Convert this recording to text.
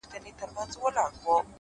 چي څه مستې جوړه سي لږه شانې سور جوړ سي-